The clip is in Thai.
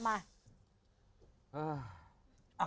จัดมา